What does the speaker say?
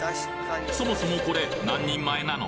そもそもこれ何人前なの？